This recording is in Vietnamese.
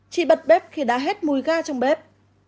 chỉ bật bếp khi đã hết mùi ga trong bếp